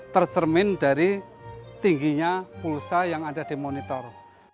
tercermin dari tingginya pulsa yang ada di monitor